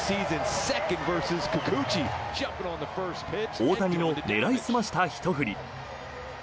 大谷の狙い澄ましたひと振り。